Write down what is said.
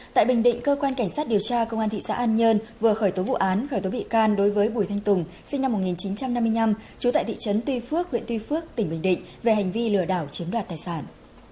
tại bình định cơ quan cảnh sát điều tra công an thị xã an nhơn vừa khởi tố vụ án khởi tố bị can đối với bùi thanh tùng sinh năm một nghìn chín trăm năm mươi năm trú tại thị trấn tuy phước huyện tuy phước tỉnh bình định về hành vi lừa đảo chiếm đoạt tài sản